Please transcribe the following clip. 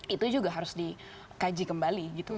itu juga harus dikaji kembali gitu